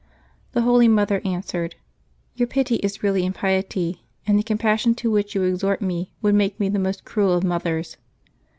'' The holy mother answered, "Your pity is really impiet}^ and the compassion to which you exhort me would make me the most cruel of mothers."